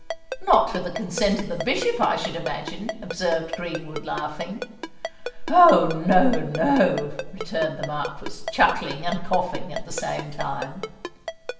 "Not with the consent of the bishop, I should imagine?" observed Greenwood, laughing. "Oh! no—no," returned the Marquis, chuckling and coughing at the same time.